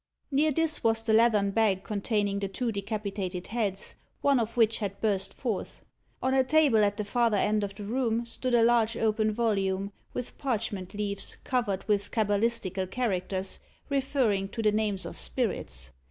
Near this was the leathern bag containing the two decapitated heads, one of which had burst forth. On a table at the farther end of the room, stood a large open volume, with parchment leaves, covered with cabalistical characters, referring to the names of spirits.